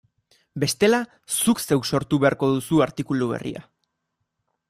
Bestela, zuk zeuk sortu beharko duzu artikulu berria.